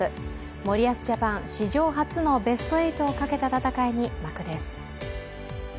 森保ジャパン、史上初のベスト８をかけた戦いに幕です。